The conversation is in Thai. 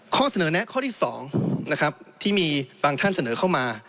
ข้อเสนอแนะข้อที่๒นะครับที่มีบางท่านเสนอเข้ามา